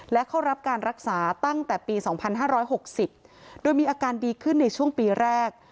และเข้ารับการรักษาตั้งแต่ปี๒๕๖๐โดยมีอาการดีขึ้นในช่วงปีแรก